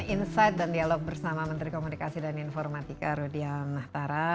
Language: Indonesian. insight dan dialog bersama menteri komunikasi dan informatika rudiamtara